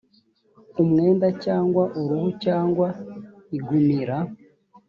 umwenda cyangwa uruhu, cyangwa igunira